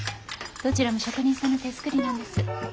どちらも職人さんの手作りなんです。